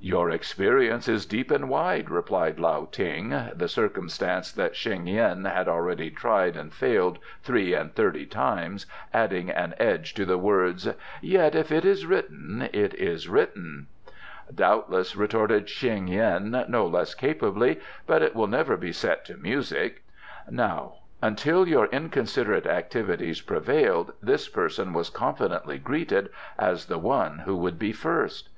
"Your experience is deep and wide," replied Lao Ting, the circumstance that Sheng yin had already tried and failed three and thirty times adding an edge to the words; "yet if it is written it is written." "Doubtless," retorted Sheng yin no less capably; "but it will never be set to music. Now, until your inconsiderate activities prevailed, this person was confidently greeted as the one who would be first."